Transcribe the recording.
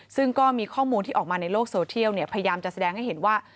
ซึ่งก็มีข้อมูลที่ออกมาในโลกโซเทียลพยายามจะแสดงให้เห็นว่า